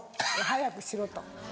早くしろと。